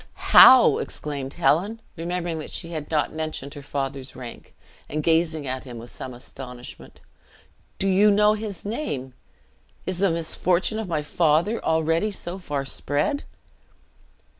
"How!" exclaimed Helen, remembering that she had not yet mentioned her father's rank, and gazing at him with astonishment; "do you know his name is the misfortune of my father already so far spread?"